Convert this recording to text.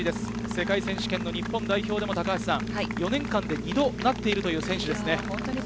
世界選手権日本代表でも４年間で二度、なっているという選手です。